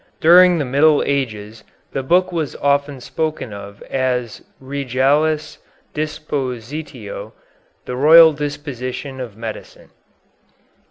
During the Middle Ages the book was often spoken of as "Regalis Dispositio," the "Royal Disposition of Medicine."